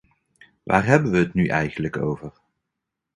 Waar hebben we het nu eigenlijk over?